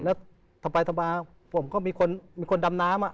แล้วทำไปทำมาผมก็มีคนดำน้ำอ่ะ